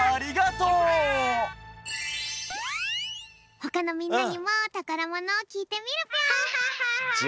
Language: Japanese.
ほかのみんなにもたからものをきいてみるぴょん！